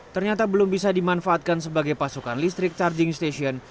ternyata belum bisa dimanfaatkan sebagai pasokan listrik charging station